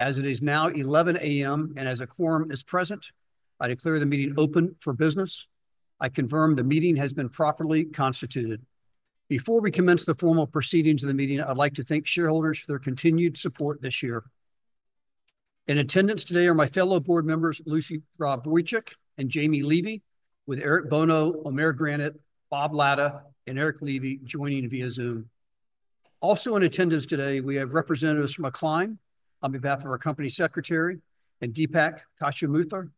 As it is now 11:00 A.M., and as a quorum is present, I declare the meeting open for business. I confirm the meeting has been properly constituted. Before we commence the formal proceedings of the meeting, I'd like to thank shareholders for their continued support this year. In attendance today are my fellow board members, Lucy Robb Wujek and Jamie Levy, with Eric Bono, Omer Granot, Bob Latta, and Eric Levy joining via Zoom. Also in attendance today, we have representatives from Acclime on behalf of our company secretary, and Deepak Kesavan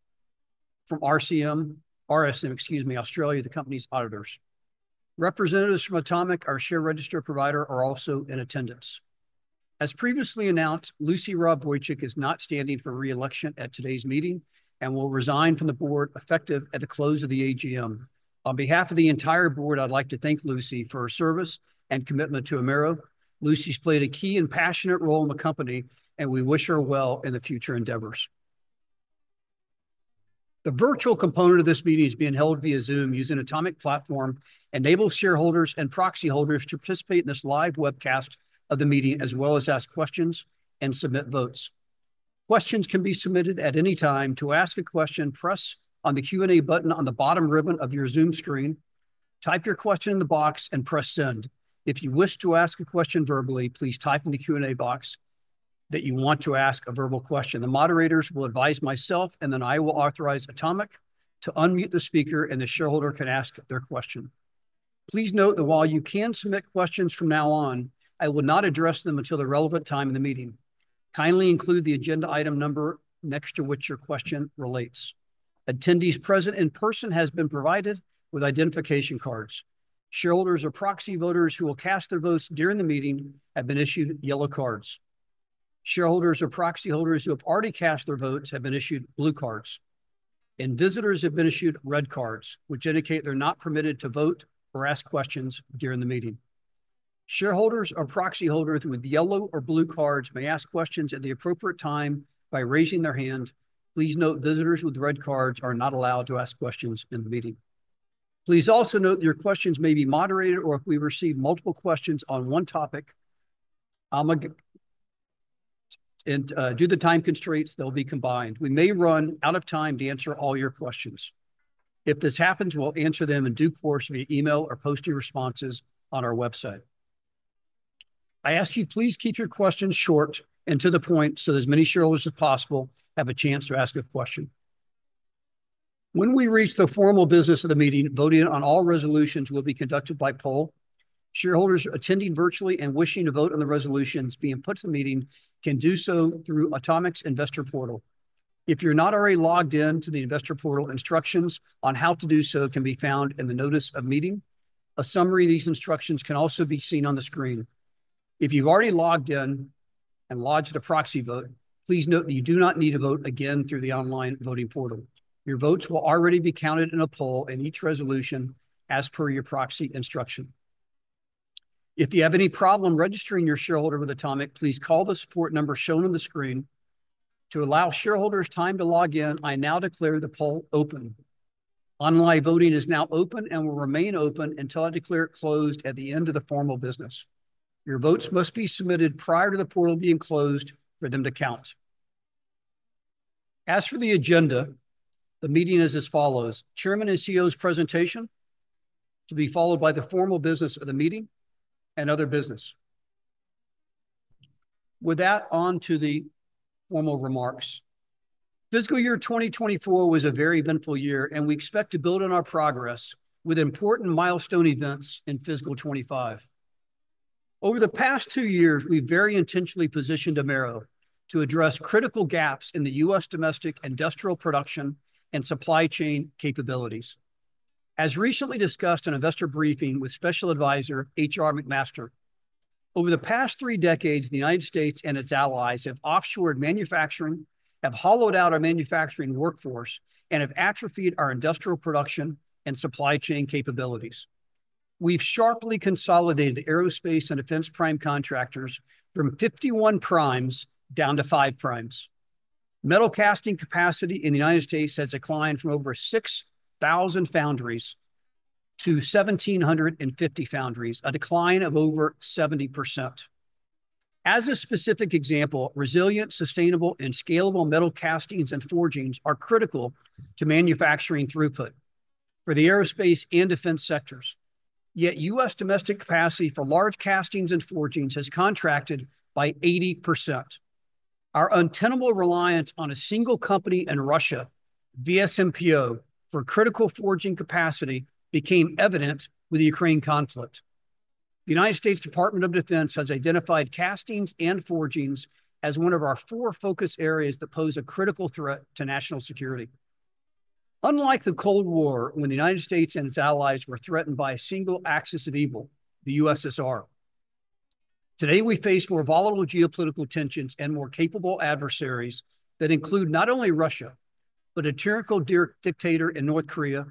from RSM Australia, excuse me, the company's auditors. Representatives from Automic, our share register provider, are also in attendance. As previously announced, Lucy Robb Wujek is not standing for re-election at today's meeting and will resign from the board effective at the close of the AGM. On behalf of the entire board, I'd like to thank Lucy for her service and commitment to Amaero. Lucy's played a key and passionate role in the company, and we wish her well in the future endeavors. The virtual component of this meeting is being held via Zoom using Automic platform, enabling shareholders and proxy holders to participate in this live webcast of the meeting, as well as ask questions and submit votes. Questions can be submitted at any time. To ask a question, press on the Q&A button on the bottom ribbon of your Zoom screen. Type your question in the box and press Send. If you wish to ask a question verbally, please type in the Q&A box that you want to ask a verbal question. The moderators will advise myself, and then I will authorize Automic to unmute the speaker, and the shareholder can ask their question. Please note that while you can submit questions from now on, I will not address them until the relevant time in the meeting. Kindly include the agenda item number next to which your question relates. Attendees present in person has been provided with identification cards. Shareholders or proxy voters who will cast their votes during the meeting have been issued yellow cards. Shareholders or proxy holders who have already cast their votes have been issued blue cards, and visitors have been issued red cards, which indicate they're not permitted to vote or ask questions during the meeting. Shareholders or proxy holders with yellow or blue cards may ask questions at the appropriate time by raising their hand. Please note, visitors with red cards are not allowed to ask questions in the meeting. Please also note that your questions may be moderated, or if we receive multiple questions on one topic, due to the time constraints, they'll be combined. We may run out of time to answer all your questions. If this happens, we'll answer them in due course via email or post your responses on our website. I ask you, please keep your questions short and to the point so as many shareholders as possible have a chance to ask a question. When we reach the formal business of the meeting, voting on all resolutions will be conducted by poll. Shareholders attending virtually and wishing to vote on the resolutions being put to the meeting can do so through Automic's investor portal. If you're not already logged in to the investor portal, instructions on how to do so can be found in the notice of meeting. A summary of these instructions can also be seen on the screen. If you've already logged in and lodged a proxy vote, please note that you do not need to vote again through the online voting portal. Your votes will already be counted in a poll in each resolution as per your proxy instruction. If you have any problem registering your shareholder with Automic, please call the support number shown on the screen. To allow shareholders time to log in, I now declare the poll open. Online voting is now open and will remain open until I declare it closed at the end of the formal business. Your votes must be submitted prior to the portal being closed for them to count. As for the agenda, the meeting is as follows: Chairman and CEO's presentation to be followed by the formal business of the meeting and other business. With that, on to the formal remarks. Fiscal year 2024 was a very eventful year, and we expect to build on our progress with important milestone events in fiscal 2025. Over the past two years, we've very intentionally positioned Amaero to address critical gaps in the U.S. domestic industrial production and supply chain capabilities. As recently discussed in investor briefing with Special Advisor H.R. McMaster, over the past three decades, the United States and its allies have offshored manufacturing, have hollowed out our manufacturing workforce, and have atrophied our industrial production and supply chain capabilities. We've sharply consolidated the aerospace and defense prime contractors from 51 primes down to five primes. Metal casting capacity in the United States has declined from over 6,000 foundries to 1,750 foundries, a decline of over 70%. As a specific example, resilient, sustainable, and scalable metal castings and forgings are critical to manufacturing throughput for the aerospace and defense sectors. Yet U.S. domestic capacity for large castings and forgings has contracted by 80%. Our untenable reliance on a single company in Russia, VSMPO, for critical forging capacity became evident with the Ukraine conflict. The United States Department of Defense has identified castings and forgings as one of our four focus areas that pose a critical threat to national security. Unlike the Cold War, when the United States and its allies were threatened by a single axis of evil, the USSR, today we face more volatile geopolitical tensions and more capable adversaries that include not only Russia, but a tyrannical dictator in North Korea,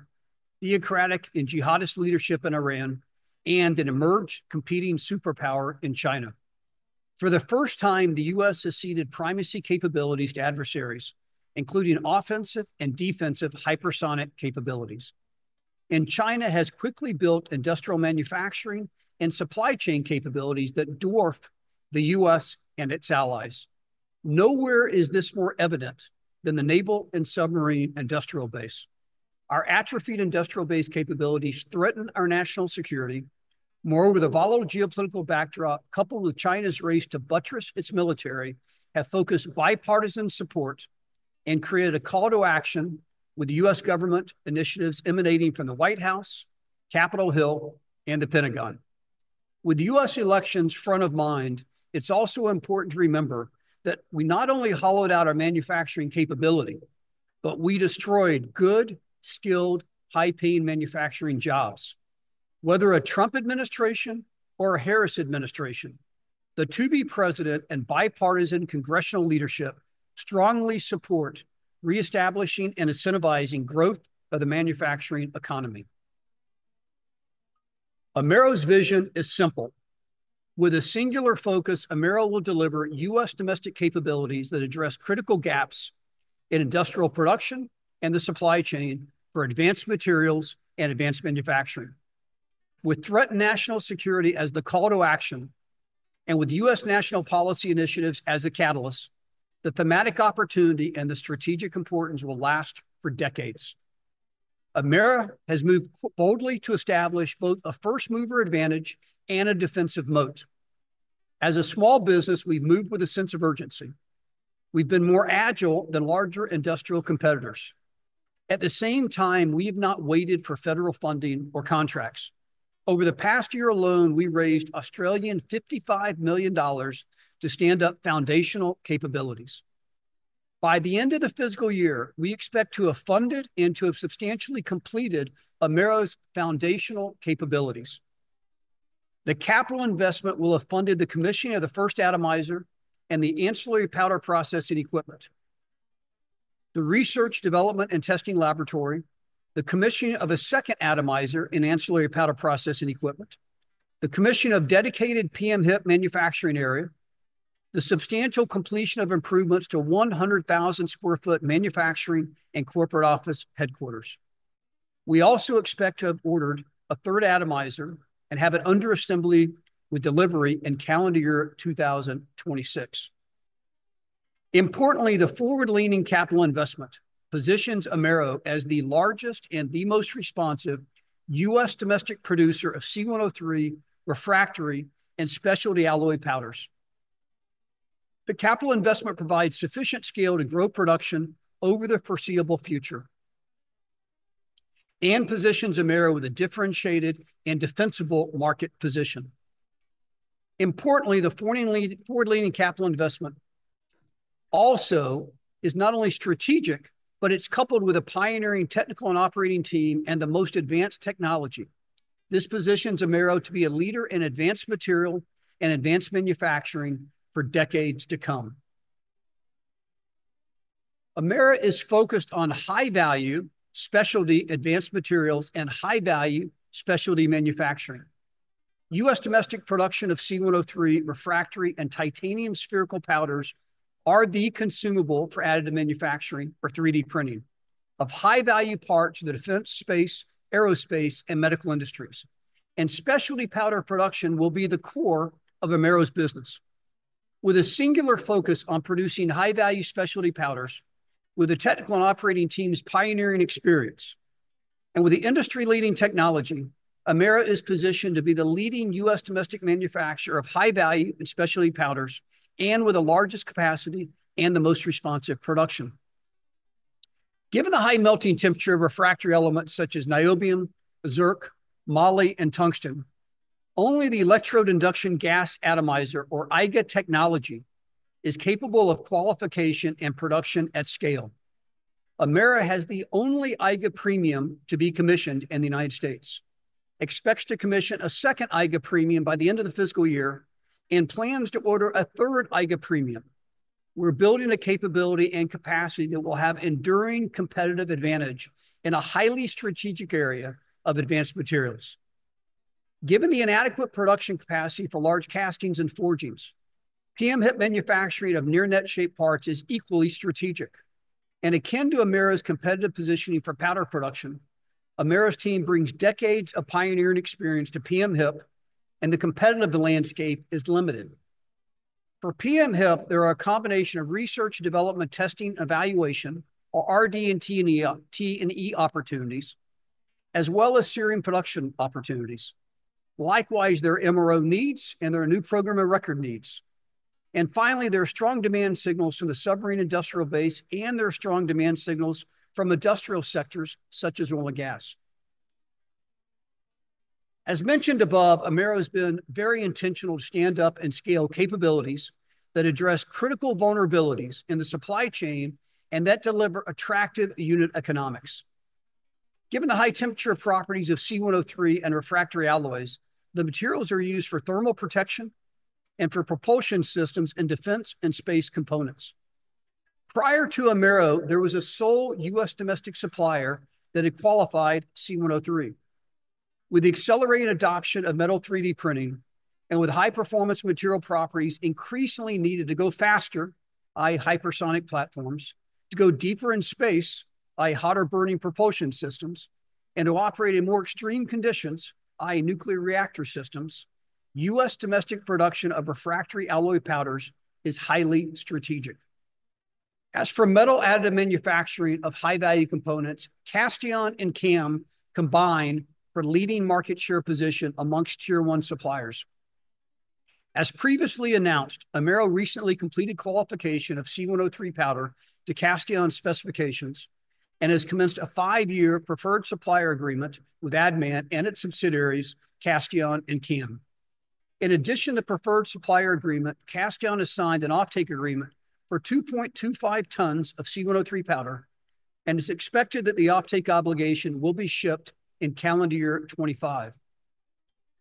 theocratic and jihadist leadership in Iran, and an emerged competing superpower in China. For the first time, the U.S. has ceded primacy capabilities to adversaries, including offensive and defensive hypersonic capabilities... and China has quickly built industrial manufacturing and supply chain capabilities that dwarf the U.S. and its allies. Nowhere is this more evident than the naval and submarine industrial base. Our atrophied industrial base capabilities threaten our national security. Moreover, the volatile geopolitical backdrop, coupled with China's race to buttress its military, have focused bipartisan support and created a call to action with the U.S. government initiatives emanating from the White House, Capitol Hill, and the Pentagon. With the U.S. elections front of mind, it's also important to remember that we not only hollowed out our manufacturing capability, but we destroyed good, skilled, high-paying manufacturing jobs. Whether a Trump administration or a Harris administration, the to-be president and bipartisan congressional leadership strongly support reestablishing and incentivizing growth of the manufacturing economy. Amaero's vision is simple: with a singular focus, Amaero will deliver U.S. domestic capabilities that address critical gaps in industrial production and the supply chain for advanced materials and advanced manufacturing. With threatened national security as the call to action, and with U.S. national policy initiatives as the catalyst, the thematic opportunity and the strategic importance will last for decades. Amaero has moved boldly to establish both a first-mover advantage and a defensive moat. As a small business, we've moved with a sense of urgency. We've been more agile than larger industrial competitors. At the same time, we have not waited for federal funding or contracts. Over the past year alone, we raised 55 million Australian dollars to stand up foundational capabilities. By the end of the fiscal year, we expect to have funded and to have substantially completed Amaero's foundational capabilities. The capital investment will have funded the commissioning of the first atomizer and the ancillary powder processing equipment, the research, development, and testing laboratory, the commissioning of a second atomizer and ancillary powder processing equipment, the commission of dedicated PM HIP manufacturing area, the substantial completion of improvements to 100,000 sq ft manufacturing and corporate office headquarters. We also expect to have ordered a third atomizer and have it under assembly with delivery in calendar year 2026. Importantly, the forward-leaning capital investment positions Amaero as the largest and the most responsive U.S. domestic producer of C-103 refractory and specialty alloy powders. The capital investment provides sufficient scale to grow production over the foreseeable future and positions Amaero with a differentiated and defensible market position. Importantly, the forward-leaning capital investment also is not only strategic, but it's coupled with a pioneering technical and operating team and the most advanced technology. This positions Amaero to be a leader in advanced material and advanced manufacturing for decades to come. Amaero is focused on high-value specialty advanced materials and high-value specialty manufacturing. U.S. domestic production of C-103 refractory and titanium spherical powders are the consumable for additive manufacturing or 3D printing of high-value parts in the defense, space, aerospace, and medical industries, and specialty powder production will be the core of Amaero's business. With a singular focus on producing high-value specialty powders, with the technical and operating team's pioneering experience, and with the industry-leading technology, Amaero is positioned to be the leading U.S. domestic manufacturer of high-value and specialty powders, and with the largest capacity and the most responsive production. Given the high melting temperature of refractory elements such as niobium, zirconium, moly, and tungsten, only the electrode induction gas atomizer, or EIGA technology, is capable of qualification and production at scale. Amaero has the only EIGA system to be commissioned in the United States, expects to commission a second EIGA system by the end of the fiscal year, and plans to order a third EIGA system. We're building a capability and capacity that will have enduring competitive advantage in a highly strategic area of advanced materials. Given the inadequate production capacity for large castings and forgings, PM HIP manufacturing of near-net shaped parts is equally strategic, and akin to Amaero's competitive positioning for powder production, Amaero's team brings decades of pioneering experience to PM HIP, and the competitive landscape is limited. For PM HIP, there are a combination of research, development, testing, and evaluation, or RD&T and E, T&E opportunities, as well as sustainment production opportunities. Likewise, there are MRO needs, and there are new program and recurring needs, and finally, there are strong demand signals from the submarine industrial base, and there are strong demand signals from industrial sectors such as oil and gas. As mentioned above, Amaero has been very intentional to stand up and scale capabilities that address critical vulnerabilities in the supply chain and that deliver attractive unit economics. Given the high temperature properties of C-103 and refractory alloys, the materials are used for thermal protection and for propulsion systems in defense and space components. Prior to Amaero, there was a sole U.S. domestic supplier that had qualified C-103. With the accelerated adoption of metal 3D printing and with high-performance material properties increasingly needed to go faster, i.e., hypersonic platforms, to go deeper in space, i.e., hotter burning propulsion systems, and to operate in more extreme conditions, i.e., nuclear reactor systems, U.S. domestic production of refractory alloy powders is highly strategic. As for metal additive manufacturing of high-value components, Castheon and CAM combine for leading market share position amongst tier one suppliers. As previously announced, Amaero recently completed qualification of C-103 powder to Castheon's specifications and has commenced a five-year preferred supplier agreement with ADDMAN and its subsidiaries, Castheon and CAM. In addition to the preferred supplier agreement, Castheon has signed an offtake agreement for 2.25 tons of C-103 powder, and it's expected that the offtake obligation will be shipped in calendar year 2025.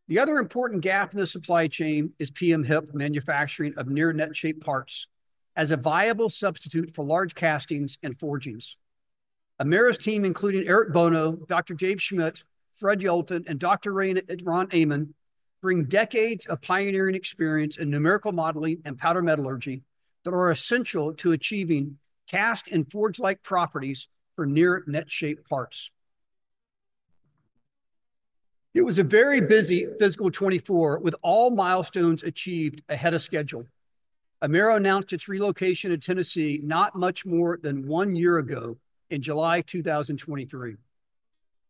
The other important gap in the supply chain is PM HIP manufacturing of near-net shape parts as a viable substitute for large castings and forgings. Amaero's team, including Eric Bono, Dr. Dave Schmidt, Fred Yelton, and Dr. Rain Iran Aman, bring decades of pioneering experience in numerical modeling and powder metallurgy that are essential to achieving cast and forge-like properties for near-net shape parts. It was a very busy fiscal 2024, with all milestones achieved ahead of schedule. Amaero announced its relocation to Tennessee not much more than one year ago, in July 2023.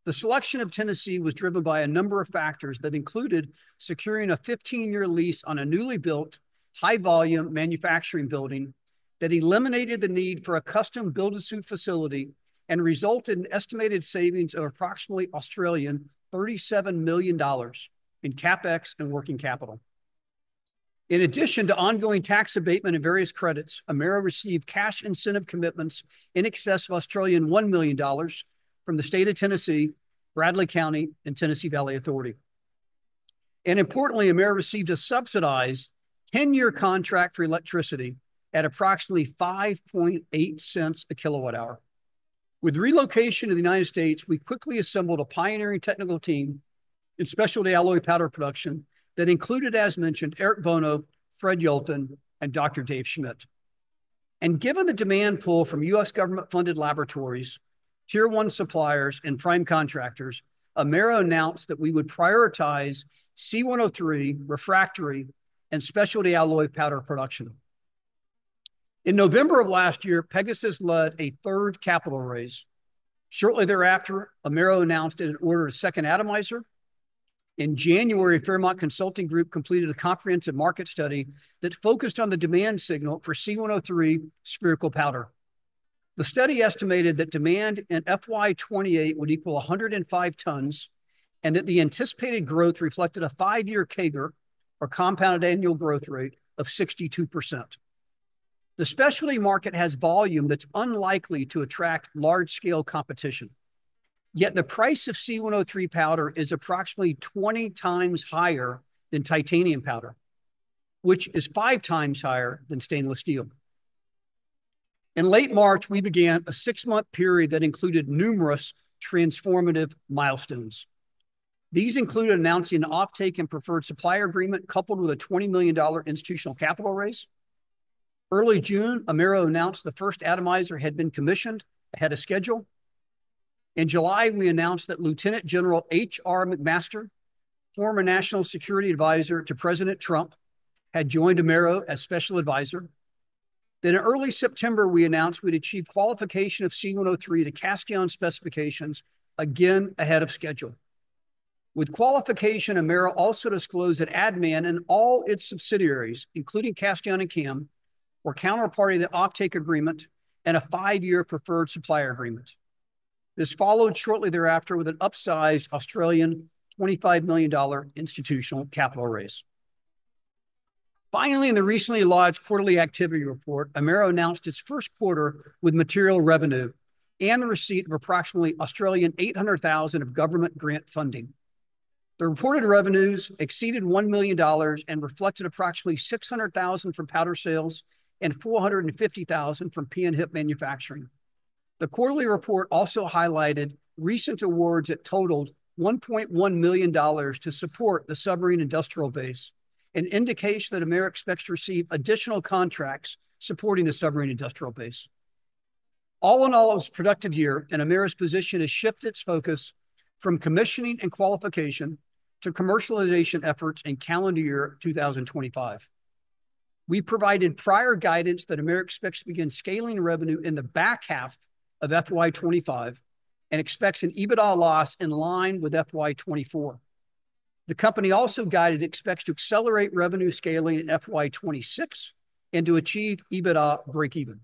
The selection of Tennessee was driven by a number of factors that included securing a 15-year lease on a newly built, high-volume manufacturing building that eliminated the need for a custom-built suite facility and resulted in estimated savings of approximately 37 million Australian dollars in CapEx and working capital. In addition to ongoing tax abatement and various credits, Amaero received cash incentive commitments in excess of 1 million Australian dollars from the state of Tennessee, Bradley County, and Tennessee Valley Authority. And importantly, Amaero received a subsidized ten-year contract for electricity at approximately $0.058 per kilowatt hour. With relocation to the United States, we quickly assembled a pioneering technical team in specialty alloy powder production that included, as mentioned, Eric Bono, Fred Yelton, and Dr. Dave Schmidt. And given the demand pull from U.S. government-funded laboratories, tier one suppliers, and prime contractors, Amaero announced that we would prioritize C-103 refractory and specialty alloy powder production. In November of last year, Pegasus led a third capital raise. Shortly thereafter, Amaero announced it had ordered a second atomizer. In January, Fairmont Consulting Group completed a comprehensive market study that focused on the demand signal for C-103 spherical powder. The study estimated that demand in FY 2028 would equal 105 tons, and that the anticipated growth reflected a five-year CAGR, or compounded annual growth rate, of 62%. The specialty market has volume that's unlikely to attract large-scale competition, yet the price of C-103 powder is approximately 20 times higher than titanium powder, which is 5 times higher than stainless steel. In late March, we began a six-month period that included numerous transformative milestones. These included announcing an offtake and preferred supplier agreement, coupled with a $20 million institutional capital raise. Early June, Amaero announced the first atomizer had been commissioned ahead of schedule. In July, we announced that Lieutenant General H.R. McMaster, former National Security Advisor to President Trump, had joined Amaero as Special Advisor. Then in early September, we announced we'd achieved qualification of C-103 to Castheon's specifications, again ahead of schedule. With qualification, Amaero also disclosed that ADDMAN and all its subsidiaries, including Castheon and CAM, were counterparty to the offtake agreement and a five-year preferred supplier agreement. This followed shortly thereafter with an upsized 25 million Australian dollars institutional capital raise. Finally, in the recently lodged quarterly activity report, Amaero announced its first quarter with material revenue and the receipt of approximately 800,000 of government grant funding. The reported revenues exceeded $1 million and reflected approximately $600,000 from powder sales and $450,000 from PM HIP manufacturing. The quarterly report also highlighted recent awards that totaled $1.1 million to support the submarine industrial base, an indication that Amaero expects to receive additional contracts supporting the submarine industrial base. All in all, it was a productive year, and Amaero's position has shifted its focus from commissioning and qualification to commercialization efforts in calendar year two thousand and twenty-five. We provided prior guidance that Amaero expects to begin scaling revenue in the back half of FY twenty-five and expects an EBITDA loss in line with FY twenty-four. The company also guided it expects to accelerate revenue scaling in FY twenty-six and to achieve EBITDA breakeven.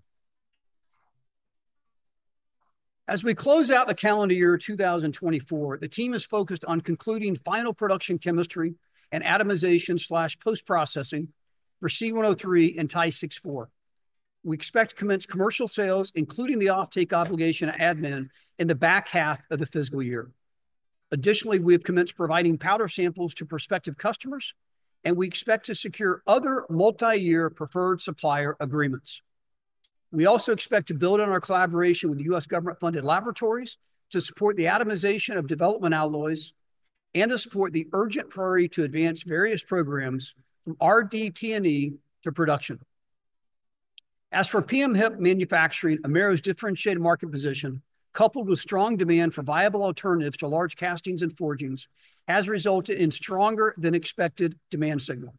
As we close out the calendar year two thousand and twenty-four, the team is focused on concluding final production, chemistry, and atomization/post-processing for C-103 and Ti-6-4. We expect to commence commercial sales, including the offtake obligation of ADDMAN, in the back half of the fiscal year. Additionally, we have commenced providing powder samples to prospective customers, and we expect to secure other multiyear preferred supplier agreements.... We also expect to build on our collaboration with the U.S. government-funded laboratories to support the atomization of development alloys and to support the urgent priority to advance various programs from RDT&E to production. As for PM HIP manufacturing, Amaero's differentiated market position, coupled with strong demand for viable alternatives to large castings and forgings, has resulted in stronger than expected demand signal.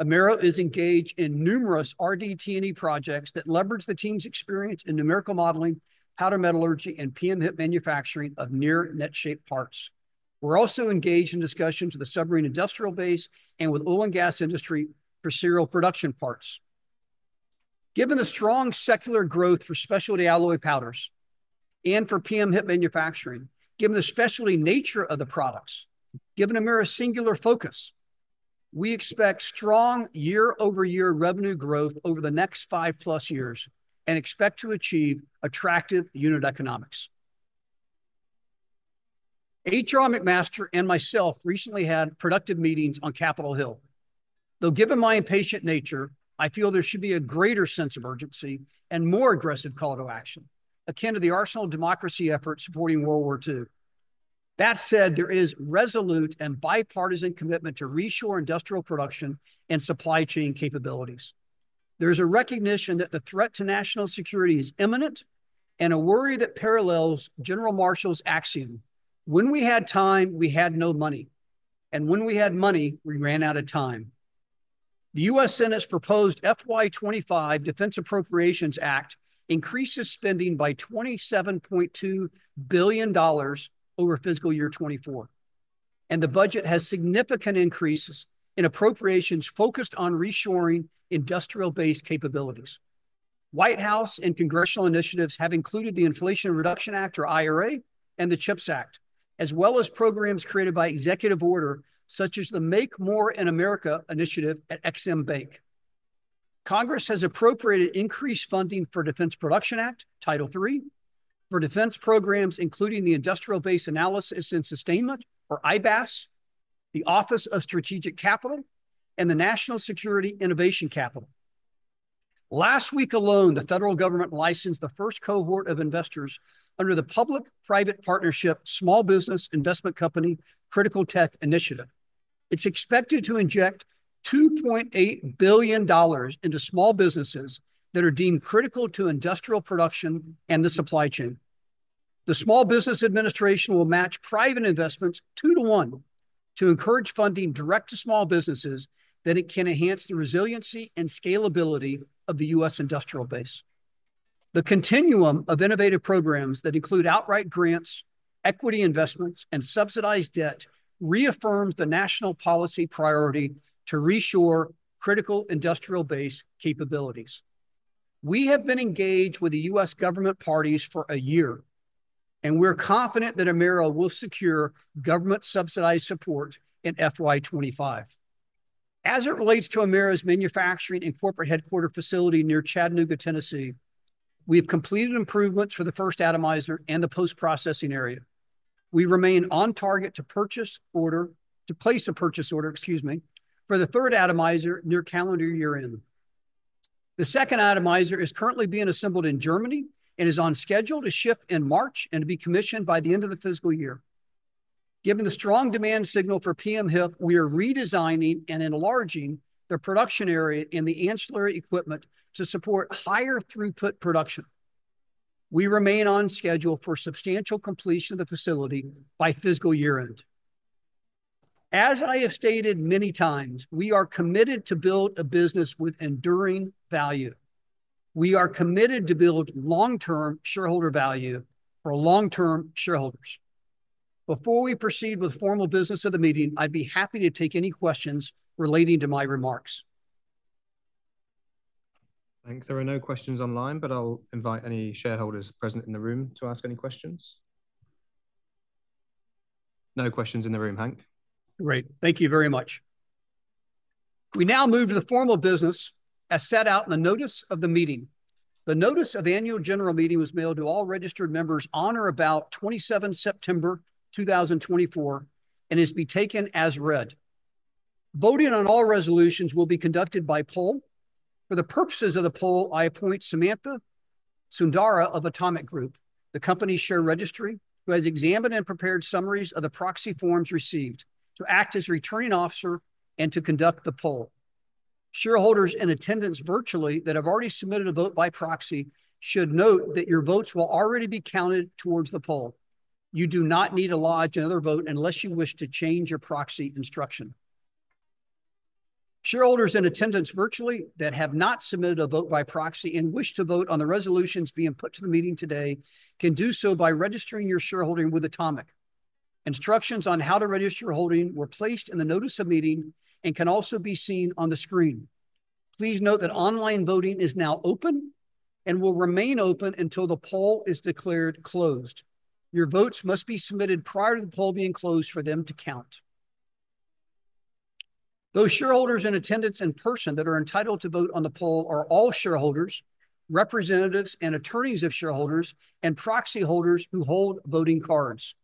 Amaero is engaged in numerous RDT&E projects that leverage the team's experience in numerical modeling, powder metallurgy, and PM HIP manufacturing of near net shape parts. We're also engaged in discussions with the submarine industrial base and with oil and gas industry for serial production parts. Given the strong secular growth for specialty alloy powders and for PM HIP manufacturing, given the specialty nature of the products, given Amaero's singular focus, we expect strong year-over-year revenue growth over the next five-plus years and expect to achieve attractive unit economics. H.R. McMaster and myself recently had productive meetings on Capitol Hill. Though given my impatient nature, I feel there should be a greater sense of urgency and more aggressive call to action, akin to the Arsenal of Democracy effort supporting World War II. That said, there is resolute and bipartisan commitment to reshore industrial production and supply chain capabilities. There is a recognition that the threat to national security is imminent and a worry that parallels General Marshall's axiom: "When we had time, we had no money, and when we had money, we ran out of time." The U.S. Senate's proposed FY 2025 Defense Appropriations Act increases spending by $27.2 billion over fiscal year 2024, and the budget has significant increases in appropriations focused on reshoring industrial-based capabilities. White House and congressional initiatives have included the Inflation Reduction Act, or IRA, and the CHIPS Act, as well as programs created by executive order, such as the Make More in America initiative at Ex-Im Bank. Congress has appropriated increased funding for Defense Production Act, Title III, for defense programs, including the Industrial Base Analysis and Sustainment, or IBAS, the Office of Strategic Capital, and the National Security Innovation Capital. Last week alone, the federal government licensed the first cohort of investors under the public-private partnership, Small Business Investment Company Critical Tech Initiative. It's expected to inject $2.8 billion into small businesses that are deemed critical to industrial production and the supply chain. The Small Business Administration will match private investments two to one to encourage funding directly to small businesses that can enhance the resiliency and scalability of the U.S. industrial base. The continuum of innovative programs that include outright grants, equity investments, and subsidized debt reaffirms the national policy priority to reshore critical industrial base capabilities. We have been engaged with the U.S. government parties for a year, and we're confident that Amaero will secure government-subsidized support in FY 2025. As it relates to Amaero's manufacturing and corporate headquarters facility near Chattanooga, Tennessee, we have completed improvements for the first atomizer and the post-processing area. We remain on target to place a purchase order, excuse me, for the third atomizer near calendar year-end. The second atomizer is currently being assembled in Germany and is on schedule to ship in March and be commissioned by the end of the fiscal year. Given the strong demand signal for PM HIP, we are redesigning and enlarging the production area and the ancillary equipment to support higher throughput production. We remain on schedule for substantial completion of the facility by fiscal year-end. As I have stated many times, we are committed to build a business with enduring value. We are committed to build long-term shareholder value for long-term shareholders. Before we proceed with the formal business of the meeting, I'd be happy to take any questions relating to my remarks. Thanks. There are no questions online, but I'll invite any shareholders present in the room to ask any questions. No questions in the room, Hank. Great. Thank you very much. We now move to the formal business as set out in the notice of the meeting. The notice of the annual general meeting was mailed to all registered members on or about twenty-seven September two thousand and twenty-four and is to be taken as read. Voting on all resolutions will be conducted by poll. For the purposes of the poll, I appoint Samantha Sundaraj of Automic Group, the company's share registry, who has examined and prepared summaries of the proxy forms received, to act as returning officer and to conduct the poll. Shareholders in attendance virtually that have already submitted a vote by proxy should note that your votes will already be counted towards the poll. You do not need to lodge another vote unless you wish to change your proxy instruction. Shareholders in attendance virtually that have not submitted a vote by proxy and wish to vote on the resolutions being put to the meeting today, can do so by registering your shareholding with Automic. Instructions on how to register your holding were placed in the notice of meeting and can also be seen on the screen. Please note that online voting is now open and will remain open until the poll is declared closed. Your votes must be submitted prior to the poll being closed for them to count. Those shareholders in attendance in person that are entitled to vote on the poll are all shareholders, representatives, and attorneys of shareholders, and proxy holders who hold voting cards.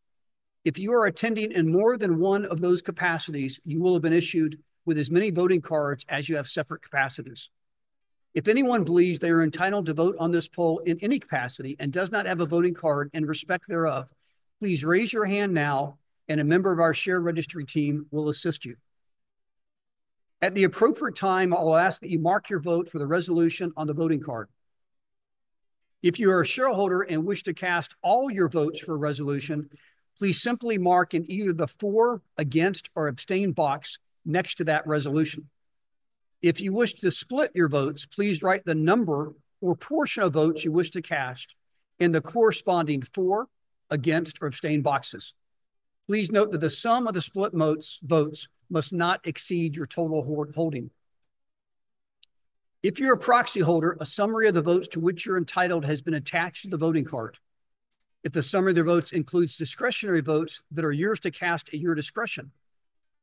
If you are attending in more than one of those capacities, you will have been issued with as many voting cards as you have separate capacities. If anyone believes they are entitled to vote on this poll in any capacity and does not have a voting card in respect thereof, please raise your hand now, and a member of our share registry team will assist you. At the appropriate time, I will ask that you mark your vote for the resolution on the voting card. If you are a shareholder and wish to cast all your votes for a resolution, please simply mark in either the "for," "against," or "abstain" box next to that resolution. If you wish to split your votes, please write the number or portion of votes you wish to cast in the corresponding "for," "against," or "abstain" boxes. Please note that the sum of the split votes must not exceed your total holding. If you're a proxy holder, a summary of the votes to which you're entitled has been attached to the voting card. If the summary of the votes includes discretionary votes, that are yours to cast at your discretion.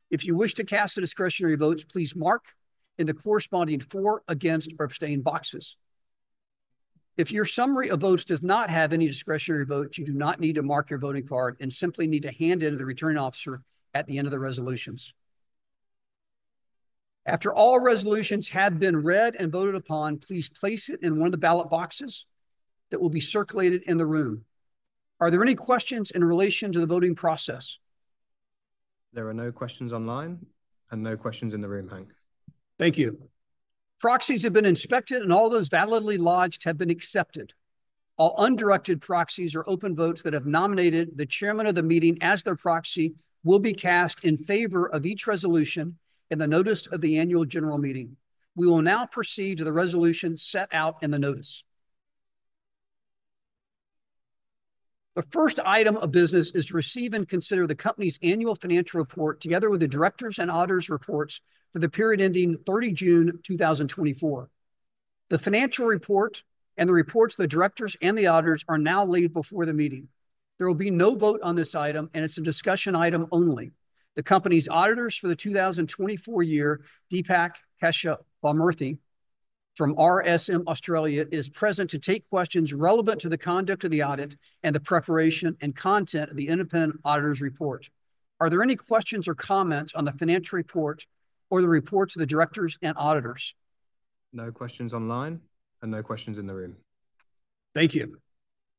If you wish to cast the discretionary votes, please mark in the corresponding "for," "against," or "abstain" boxes. If your summary of votes does not have any discretionary votes, you do not need to mark your voting card and simply need to hand it to the returning officer at the end of the resolutions. After all resolutions have been read and voted upon, please place it in one of the ballot boxes that will be circulated in the room. Are there any questions in relation to the voting process? There are no questions online and no questions in the room, Hank. Thank you. Proxies have been inspected, and all those validly lodged have been accepted. All undirected proxies or open votes that have nominated the chairman of the meeting as their proxy will be cast in favor of each resolution in the notice of the annual general meeting. We will now proceed to the resolution set out in the notice. The first item of business is to receive and consider the company's annual financial report, together with the directors' and auditors' reports for the period ending thirty June two thousand twenty-four. The financial report and the reports of the directors and the auditors are now laid before the meeting. There will be no vote on this item, and it's a discussion item only. The company's auditors for the 2024 year, Deepak Kesavan from RSM Australia, is present to take questions relevant to the conduct of the audit and the preparation and content of the independent auditors' report. Are there any questions or comments on the financial report or the reports of the directors and auditors? No questions online and no questions in the room. Thank you.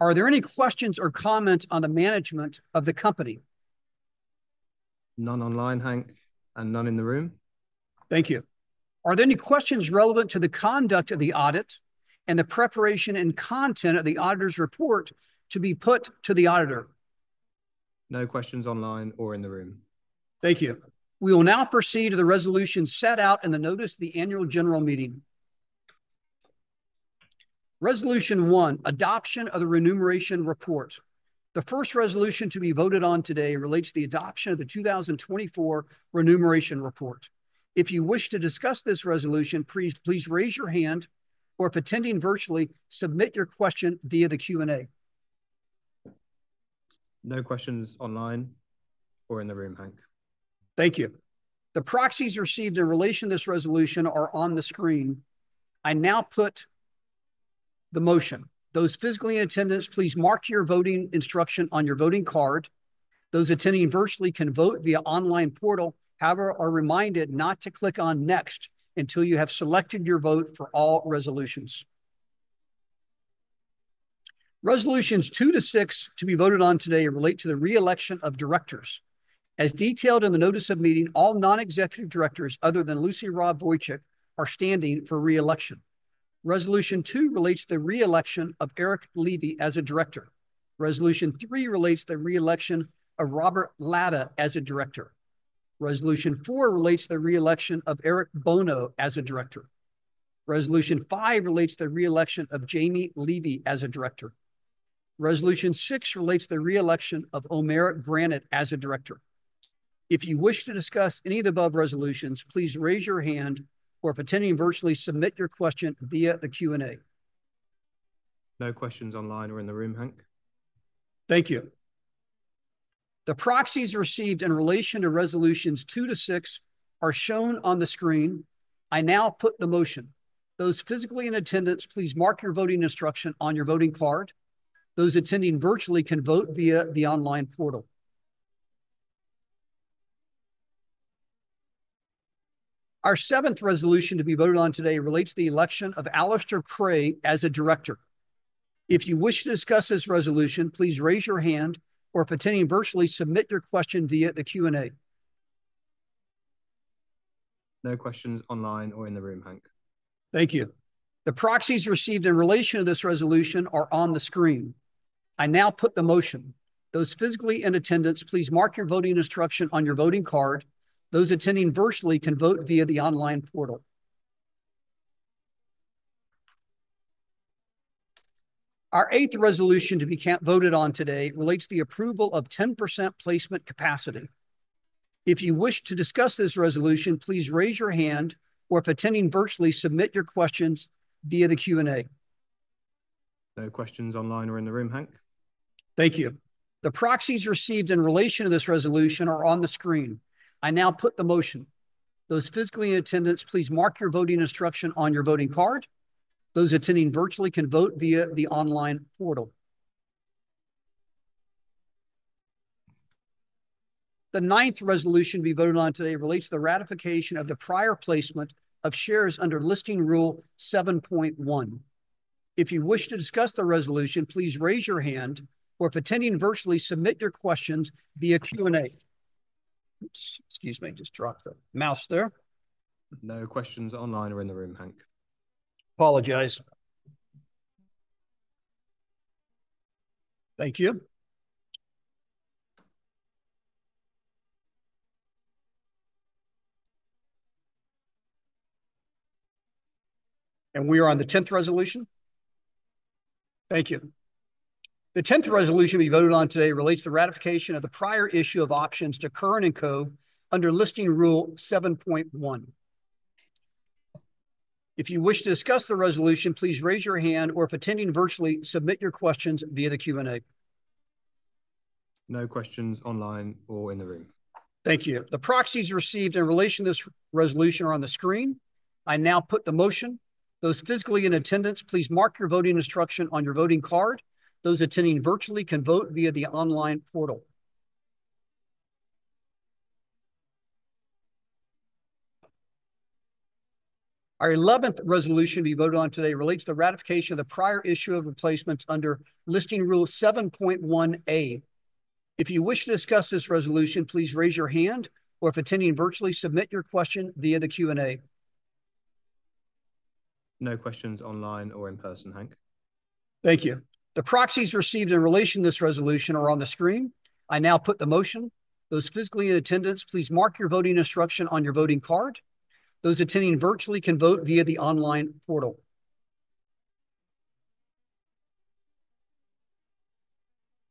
Are there any questions or comments on the management of the company? None online, Hank, and none in the room. Thank you. Are there any questions relevant to the conduct of the audit and the preparation and content of the auditors' report to be put to the auditor? No questions online or in the room. Thank you. We will now proceed to the resolution set out in the notice of the annual general meeting. Resolution one, adoption of the Remuneration Report. The first resolution to be voted on today relates to the adoption of the two thousand twenty-four Remuneration Report. If you wish to discuss this resolution, please raise your hand, or if attending virtually, submit your question via the Q&A. No questions online or in the room, Hank. Thank you. The proxies received in relation to this resolution are on the screen. I now put the motion. Those physically in attendance, please mark your voting instruction on your voting card. Those attending virtually can vote via online portal, however, are reminded not to click on Next until you have selected your vote for all resolutions. Resolutions two to six to be voted on today relate to the re-election of directors. As detailed in the notice of meeting, all non-executive directors, other than Lucy Robb Wujek, are standing for re-election. Resolution two relates to the re-election of Eric Levy as a director. Resolution three relates to the re-election of Robert Latta as a director. Resolution four relates to the re-election of Eric Bono as a director. Resolution five relates to the re-election of Jamie Levy as a director. Resolution six relates to the re-election of Omer Granot as a director. If you wish to discuss any of the above resolutions, please raise your hand, or if attending virtually, submit your question via the Q&A. No questions online or in the room, Hank. Thank you. The proxies received in relation to resolutions two to six are shown on the screen. I now put the motion. Those physically in attendance, please mark your voting instruction on your voting card. Those attending virtually can vote via the online portal. Our seventh resolution to be voted on today relates to the election of Alistair Cray as a director. If you wish to discuss this resolution, please raise your hand, or if attending virtually, submit your question via the Q&A. No questions online or in the room, Hank. Thank you. The proxies received in relation to this resolution are on the screen. I now put the motion. Those physically in attendance, please mark your voting instruction on your voting card. Those attending virtually can vote via the online portal. Our eighth resolution to be voted on today relates to the approval of 10% placement capacity. If you wish to discuss this resolution, please raise your hand, or if attending virtually, submit your questions via the Q&A. No questions online or in the room, Hank. Thank you. The proxies received in relation to this resolution are on the screen. I now put the motion. Those physically in attendance, please mark your voting instruction on your voting card. Those attending virtually can vote via the online portal. The ninth resolution to be voted on today relates to the ratification of the prior placement of shares under Listing Rule 7.1. If you wish to discuss the resolution, please raise your hand, or if attending virtually, submit your questions via Q&A. Oops, excuse me, just dropped the mouse there. No questions online or in the room, Hank. Apologies. Thank you. We are on the tenth resolution? Thank you. The tenth resolution to be voted on today relates to the ratification of the prior issue of options to Curran & Co. Under Listing Rule 7.1. If you wish to discuss the resolution, please raise your hand, or if attending virtually, submit your questions via the Q&A. No questions online or in the room. Thank you. The proxies received in relation to this resolution are on the screen. I now put the motion. Those physically in attendance, please mark your voting instruction on your voting card. Those attending virtually can vote via the online portal. Our eleventh resolution to be voted on today relates to the ratification of the prior issue of replacements under Listing Rule 7.1 A. If you wish to discuss this resolution, please raise your hand, or if attending virtually, submit your question via the Q&A. No questions online or in person, Hank. Thank you. The proxies received in relation to this resolution are on the screen. I now put the motion. Those physically in attendance, please mark your voting instruction on your voting card. Those attending virtually can vote via the online portal.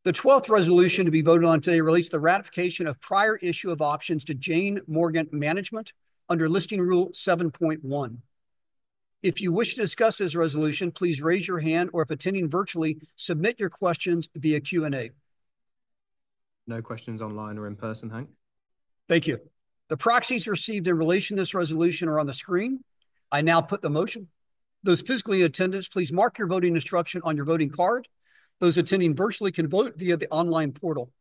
The twelfth resolution to be voted on today relates to the ratification of prior issue of options to Jane Morgan Management under Listing Rule seven point one. If you wish to discuss this resolution, please raise your hand, or if attending virtually, submit your questions via Q&A. No questions online or in person, Hank. Thank you. The proxies received in relation to this resolution are on the screen. I now put the motion. Those physically in attendance, please mark your voting instruction on your voting card. Those attending virtually can vote via the online portal.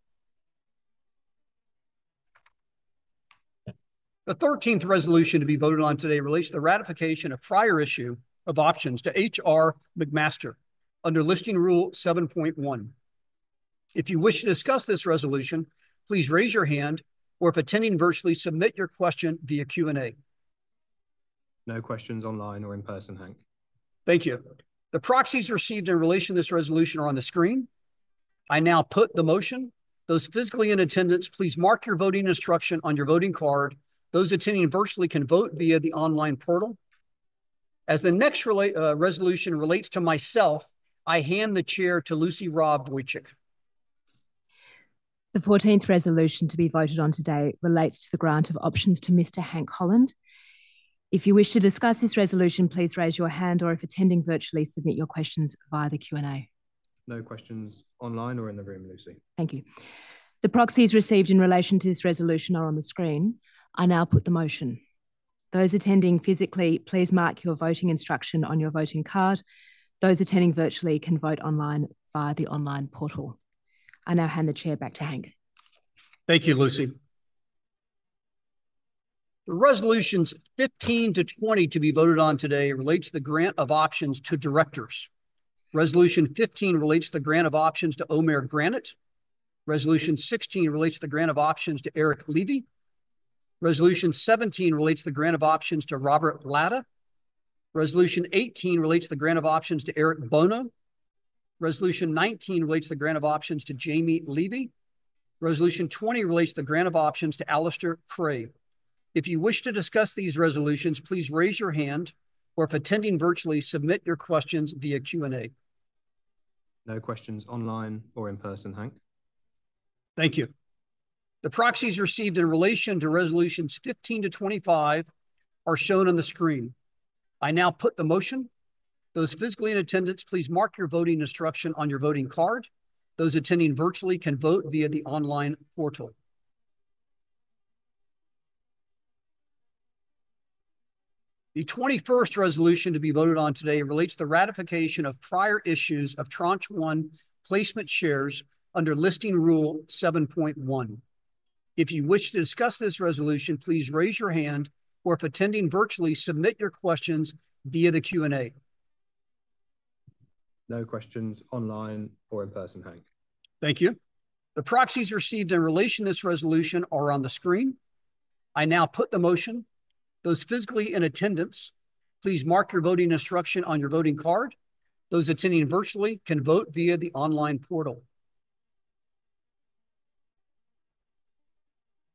The thirteenth resolution to be voted on today relates to the ratification of prior issue of options to H.R. McMaster under Listing Rule seven point one. If you wish to discuss this resolution, please raise your hand, or if attending virtually, submit your question via Q&A. No questions online or in person, Hank. Thank you. The proxies received in relation to this resolution are on the screen. I now put the motion. Those physically in attendance, please mark your voting instruction on your voting card. Those attending virtually can vote via the online portal. As the next resolution relates to myself, I hand the chair to Lucy Robb Wujek. The fourteenth resolution to be voted on today relates to the grant of options to Mr. Hank Holland. If you wish to discuss this resolution, please raise your hand, or if attending virtually, submit your questions via the Q&A. No questions online or in the room, Lucy. Thank you. The proxies received in relation to this resolution are on the screen. I now put the motion. Those attending physically, please mark your voting instruction on your voting card. Those attending virtually can vote online via the online portal. I now hand the chair back to Hank. Thank you, Lucy. The resolutions fifteen to twenty to be voted on today relate to the grant of options to directors. Resolution fifteen relates to the grant of options to Omer Granot. Resolution sixteen relates to the grant of options to Eric Levy. Resolution seventeen relates to the grant of options to Robert Latta. Resolution eighteen relates to the grant of options to Eric Bono. Resolution nineteen relates to the grant of options to Jamie Levy. Resolution twenty relates to the grant of options to Alistair Cray. If you wish to discuss these resolutions, please raise your hand, or if attending virtually, submit your questions via Q&A. No questions online or in person, Hank. Thank you. The proxies received in relation to resolutions 15 to 25 are shown on the screen. I now put the motion. Those physically in attendance, please mark your voting instruction on your voting card. Those attending virtually can vote via the online portal. The 21st resolution to be voted on today relates to the ratification of prior issues of tranche placement shares under Listing Rule 7.1. If you wish to discuss this resolution, please raise your hand, or if attending virtually, submit your questions via the Q&A. No questions online or in person, Hank. Thank you. The proxies received in relation to this resolution are on the screen. I now put the motion. Those physically in attendance, please mark your voting instruction on your voting card. Those attending virtually can vote via the online portal.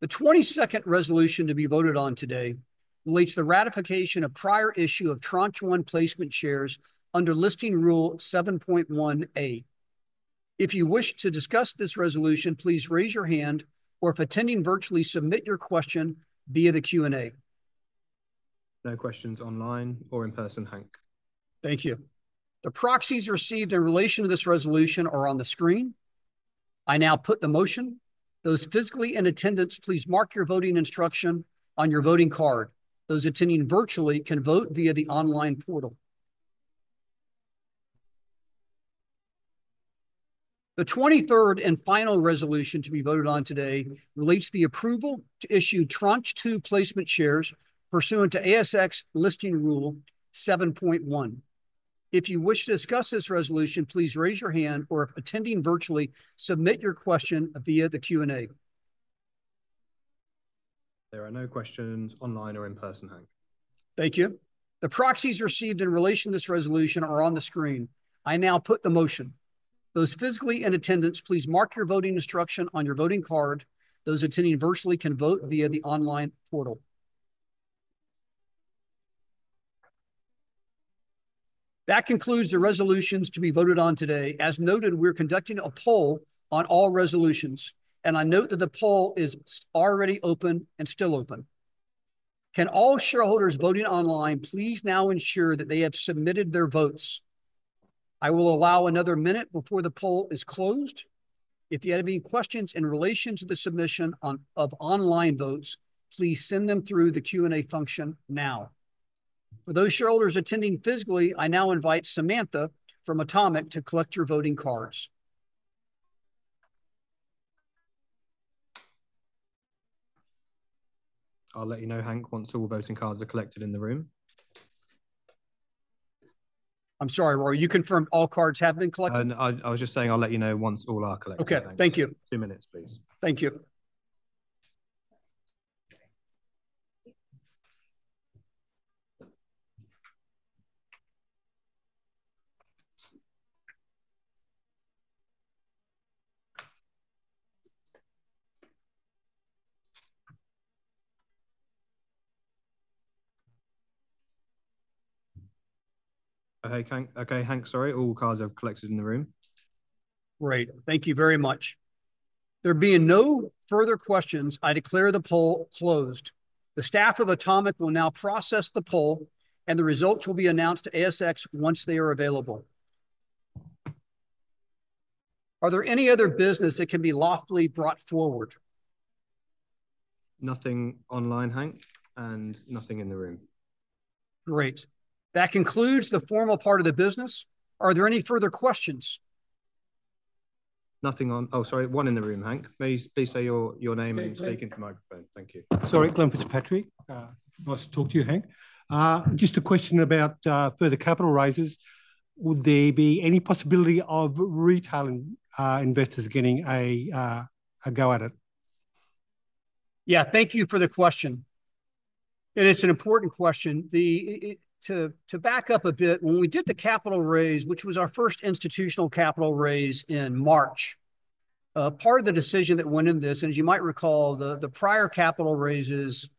The twenty-second resolution to be voted on today relates to the ratification of prior issue of tranche 1 placement shares under Listing Rule 7.1A. If you wish to discuss this resolution, please raise your hand, or if attending virtually, submit your question via the Q&A. No questions online or in person, Hank. Thank you. The proxies received in relation to this resolution are on the screen. I now put the motion. Those physically in attendance, please mark your voting instruction on your voting card. Those attending virtually can vote via the online portal. The 23rd and final resolution to be voted on today relates to the approval to issue Tranche 2 placement shares pursuant to ASX Listing Rule 7.1. If you wish to discuss this resolution, please raise your hand, or if attending virtually, submit your question via the Q&A. There are no questions online or in person, Hank. Thank you. The proxies received in relation to this resolution are on the screen. I now put the motion. Those physically in attendance, please mark your voting instruction on your voting card. Those attending virtually can vote via the online portal. That concludes the resolutions to be voted on today. As noted, we're conducting a poll on all resolutions, and I note that the poll is already open and still open. Can all shareholders voting online please now ensure that they have submitted their votes? I will allow another minute before the poll is closed. If you have any questions in relation to the submission of online votes, please send them through the Q&A function now. For those shareholders attending physically, I now invite Samantha from Automic to collect your voting cards. I'll let you know, Hank, once all voting cards are collected in the room. I'm sorry, Roy, you confirmed all cards have been collected? No, I was just saying I'll let you know once all are collected. Okay. Thank you. Two minutes, please. Thank you. Okay, Hank. Okay, Hank, sorry, all cards are collected in the room. Great. Thank you very much. There being no further questions, I declare the poll closed. The staff of Automic will now process the poll, and the results will be announced to ASX once they are available. Are there any other business that can be lawfully brought forward? Nothing online, Hank, and nothing in the room. Great. That concludes the formal part of the business. Are there any further questions? Nothing on... Oh, sorry. One in the room, Hank. Please say your name and speak into the microphone. Thank you. Sorry, Glenn Fitzpatrick. Nice to talk to you, Hank. Just a question about further capital raises. Would there be any possibility of retail investors getting a go at it? Yeah, thank you for the question, and it's an important question. To back up a bit, when we did the capital raise, which was our first institutional capital raise in March, part of the decision that went in this, and as you might recall, the prior capital raises.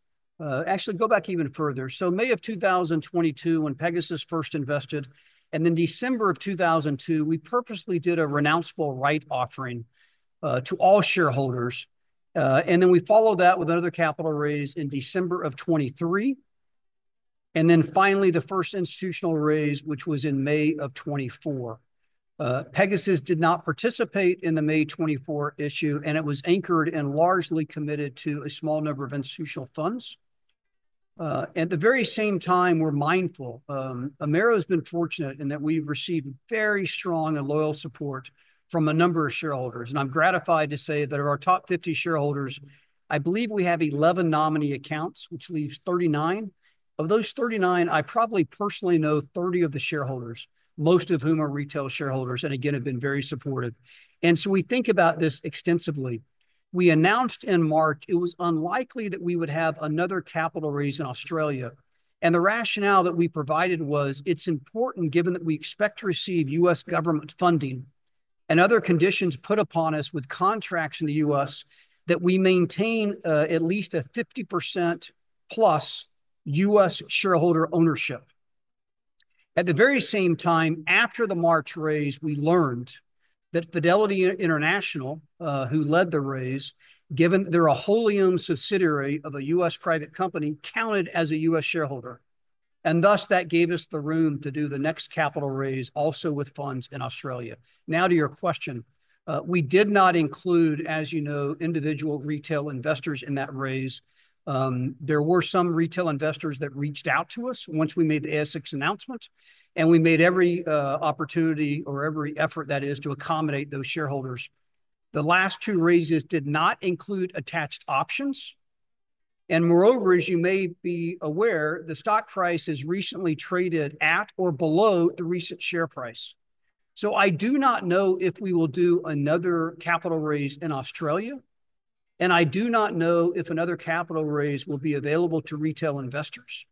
Actually, go back even further. So May of two thousand and twenty-two, when Pegasus first invested, and then December of two thousand and two, we purposely did a renounceable right offering to all shareholders. And then we followed that with another capital raise in December of 2023. And then finally, the first institutional raise, which was in May of 2024. Pegasus did not participate in the May 2024 issue, and it was anchored and largely committed to a small number of institutional funds. At the very same time, we're mindful, Amaero has been fortunate in that we've received very strong and loyal support from a number of shareholders, and I'm gratified to say that of our top 50 shareholders, I believe we have 11 nominee accounts, which leaves 39. Of those 39, I probably personally know 30 of the shareholders, most of whom are retail shareholders, and again, have been very supportive. And so we think about this extensively. We announced in March it was unlikely that we would have another capital raise in Australia, and the rationale that we provided was it's important, given that we expect to receive U.S. government funding and other conditions put upon us with contracts in the U.S., that we maintain at least a 50% plus U.S. shareholder ownership. At the very same time, after the March raise, we learned that Fidelity International, who led the raise, given they're a wholly-owned subsidiary of a U.S. private company, counted as a U.S. shareholder, and thus that gave us the room to do the next capital raise, also with funds in Australia. Now, to your question. We did not include, as you know, individual retail investors in that raise. There were some retail investors that reached out to us once we made the ASX announcement, and we made every effort that is, to accommodate those shareholders. The last two raises did not include attached options, and moreover, as you may be aware, the stock price has recently traded at or below the recent share price. I do not know if we will do another capital raise in Australia, and I do not know if another capital raise will be available to retail investors.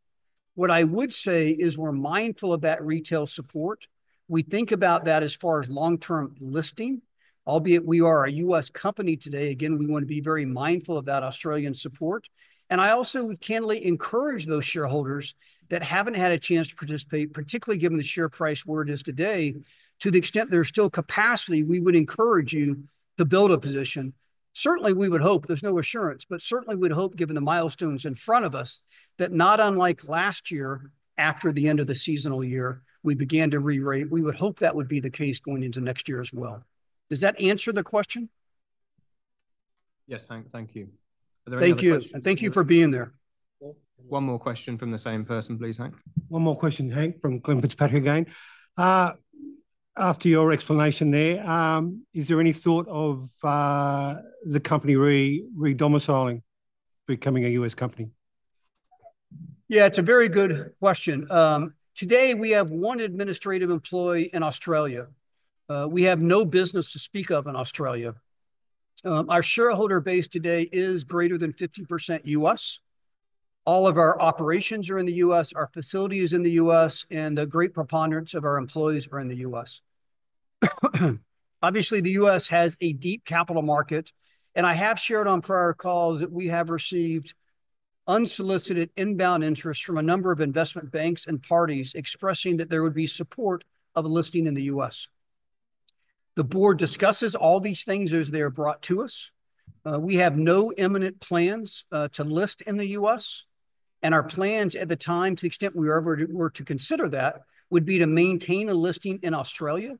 What I would say is we're mindful of that retail support. We think about that as far as long-term listing, albeit we are a US company today. Again, we want to be very mindful of that Australian support. I also would kindly encourage those shareholders that haven't had a chance to participate, particularly given the share price where it is today, to the extent there's still capacity, we would encourage you to build a position. Certainly, we would hope, there's no assurance, but certainly we'd hope, given the milestones in front of us, that not unlike last year, after the end of the fiscal year, we began to rerate. We would hope that would be the case going into next year as well. Does that answer the question?... Yes, Hank, thank you. Are there any other questions? Thank you, and thank you for being there. One more question from the same person, please, Hank. One more question, Hank, from Glenn Fitzpatrick again. After your explanation there, is there any thought of the company re-domiciling, becoming a U.S. company? Yeah, it's a very good question. Today we have one administrative employee in Australia. We have no business to speak of in Australia. Our shareholder base today is greater than 50% US. All of our operations are in the US, our facility is in the US, and the great preponderance of our employees are in the US. Obviously, the US has a deep capital market, and I have shared on prior calls that we have received unsolicited inbound interest from a number of investment banks and parties, expressing that there would be support of a listing in the US. The board discusses all these things as they are brought to us. We have no imminent plans to list in the US, and our plans at the time, to the extent we ever were to consider that, would be to maintain a listing in Australia.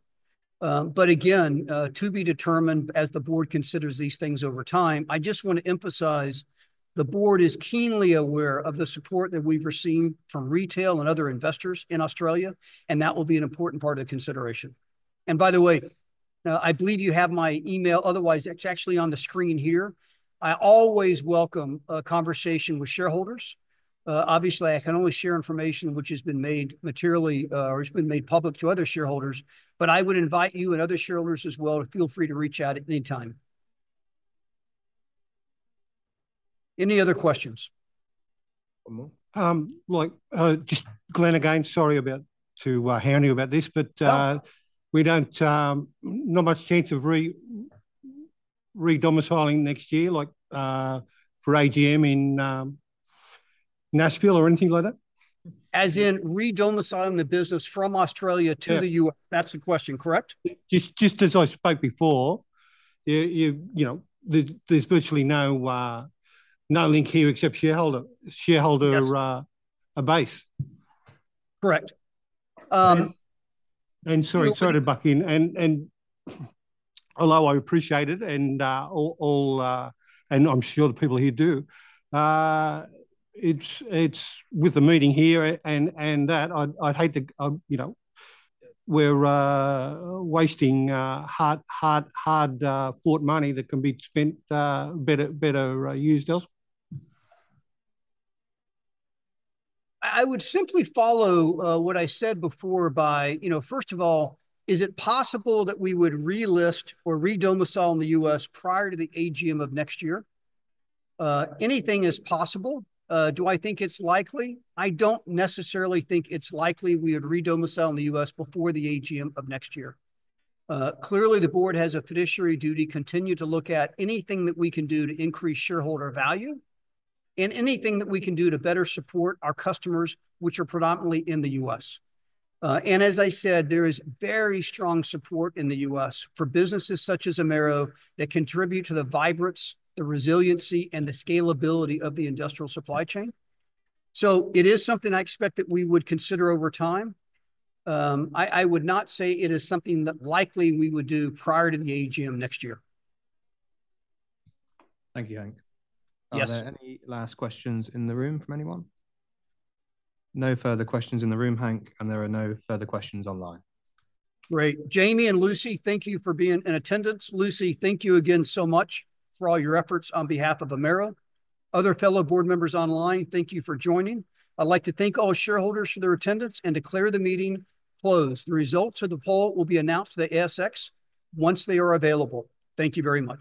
But again, to be determined as the board considers these things over time. I just want to emphasize. The board is keenly aware of the support that we've received from retail and other investors in Australia, and that will be an important part of the consideration, and by the way, I believe you have my email, otherwise, it's actually on the screen here. I always welcome a conversation with shareholders. Obviously, I can only share information which has been made materially, or it's been made public to other shareholders, but I would invite you and other shareholders as well to feel free to reach out at any time. Any other questions? One more. Like, just Glenn again. Sorry to hound you about this, but, No... we don't not much chance of re-domiciling next year, like, for AGM in, Nashville or anything like that? As in re-domiciling the business from Australia to the U.S.? Yeah. That's the question, correct? Just as I spoke before, you know, there's virtually no link here except shareholder. Yes... base. Correct. Um- Sorry to butt in, although I appreciate it, all. I'm sure the people here do. It's with the meeting here, and that. I'd hate to, you know, we're wasting hard-fought money that can be spent better used else. I would simply follow what I said before by, you know, first of all, is it possible that we would re-list or re-domicile in the U.S. prior to the AGM of next year? Anything is possible. Do I think it's likely? I don't necessarily think it's likely we would re-domicile in the U.S. before the AGM of next year. Clearly, the board has a fiduciary duty to continue to look at anything that we can do to increase shareholder value, and anything that we can do to better support our customers, which are predominantly in the U.S., and as I said, there is very strong support in the U.S. for businesses such as Amaero that contribute to the vibrancy, the resiliency, and the scalability of the industrial supply chain, so it is something I expect that we would consider over time. I would not say it is something that likely we would do prior to the AGM next year. Thank you, Hank. Yes. Are there any last questions in the room from anyone? No further questions in the room, Hank, and there are no further questions online. Great. Jamie and Lucy, thank you for being in attendance. Lucy, thank you again so much for all your efforts on behalf of Amaero. Other fellow board members online, thank you for joining. I'd like to thank all shareholders for their attendance and declare the meeting closed. The results of the poll will be announced to the ASX once they are available. Thank you very much.